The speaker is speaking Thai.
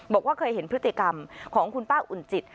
บอกว่าเคยเห็นพฤติกรรมของคุณป้าอุ่นจิต